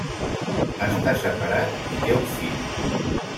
Està separat i té un fill.